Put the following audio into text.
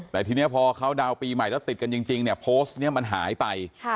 แต่ทีนี้พอเขาดาวน์ปีใหม่แล้วติดกันจริงเนี่ยโพสต์นี้มันหายไป